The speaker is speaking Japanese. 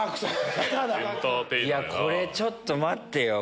これちょっと待ってよ。